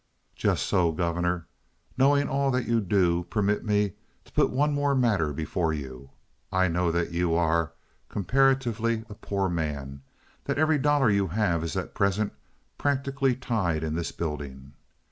"Just so, Governor. Knowing all that you do, permit me to put one more matter before you. I know that you are, comparatively, a poor man—that every dollar you have is at present practically tied in this building.